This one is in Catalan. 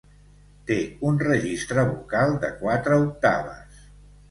Té un registre vocal de quatre octaves.